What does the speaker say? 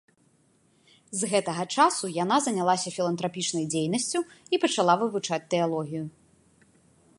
З гэтага часу яна занялася філантрапічнай дзейнасцю і пачала вывучаць тэалогію.